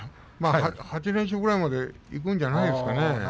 ８連勝ぐらいまでいくんじゃないですか